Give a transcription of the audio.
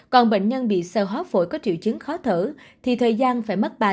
còn bệnh nhân bị sơ hóa phổi có triệu chứng khó thở thì thời gian phải mất ba sáu tháng